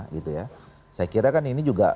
gitu ya saya kira kan ini juga